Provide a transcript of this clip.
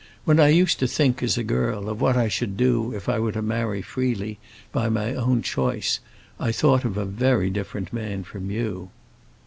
When I used to think, as a girl, of what I should do if I were to marry freely, by my own choice, I thought of a very different man from you."